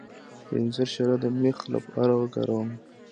د انځر شیره د میخ لپاره وکاروئ